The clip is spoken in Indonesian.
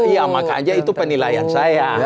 iya makanya itu penilaian saya